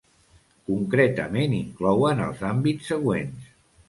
Concretament, inclouen els àmbits següents.